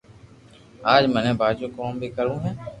اج مني ڀآجو ڪوم بي ڪروو ھي